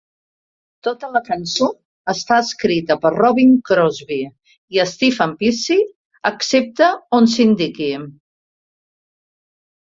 Tota la cançó està escrita per Robbin Crosby i Stephen Pearcy, excepte on s'indiqui.